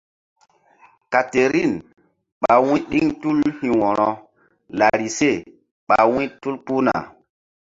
Katerin ɓa wu̧y ɗiŋ tul hi̧ wo̧ro larise ɓa wu̧y tul kpuhna.